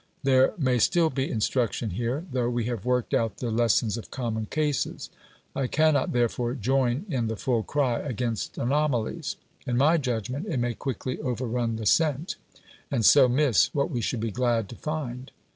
There may still be instruction here, though we have worked out the lessons of common cases. I cannot, therefore, join in the full cry against anomalies; in my judgment it may quickly overrun the scent, and so miss what we should be glad to find.